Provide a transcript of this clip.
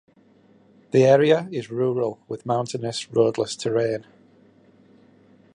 The area is rural with mountainous, roadless terrain.